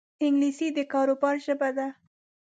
انګلیسي د کاروبار ژبه ده